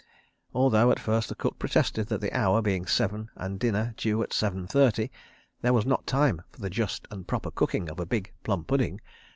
Although at first the cook protested that the hour being seven and dinner due at seven thirty, there was not time for the just and proper cooking of a big plum pudding.